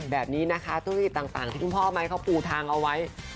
แบบนี้นะคะธุรกิจต่างที่คุณพ่อไม้เขาปูทางเอาไว้